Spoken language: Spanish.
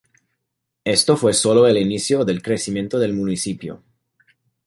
Esto fue sólo el inicio del crecimiento del municipio.